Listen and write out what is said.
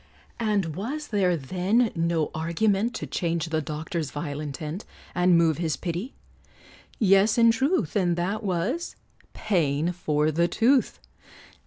And was there then no argument To change the doctor's vile intent, And move his pity? yes, in truth, And that was paying for the tooth.